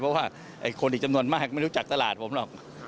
เพราะว่าคนอีกจำนวนมากไม่รู้จักตลาดผมหรอก